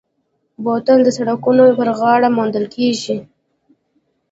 بوتل د سړکونو پر غاړه موندل کېږي.